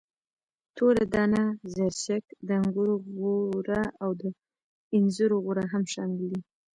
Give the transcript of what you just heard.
توره دانه، زرشک، د انګورو غوره او د انځرو غوره هم شامل دي.